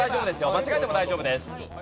間違えても大丈夫です。